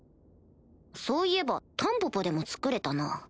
そういえばタンポポでも作れたな